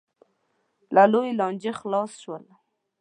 له لویې لانجې خلاص شول.